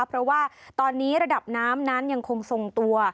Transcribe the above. เพราะว่าตอนนี้ระดับน้ำนั้นยังคงทรงตัว